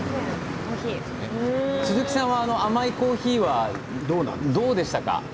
鈴木さんは甘いコーヒーはどうでしたか？